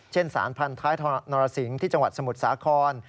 สารพันท้ายนรสิงศ์ที่จังหวัดสมุทรสาคร